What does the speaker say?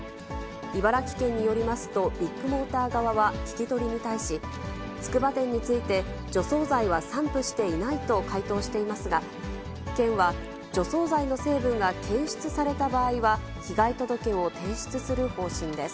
茨城県によりますと、ビッグモーター側は聞き取りに対し、つくば店について、除草剤は散布していないと回答していますが、県は除草剤の成分が検出された場合は、被害届を提出する方針です。